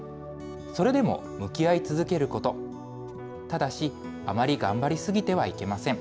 それでも向き合い続けること、ただし、あまり頑張り過ぎてはいけません。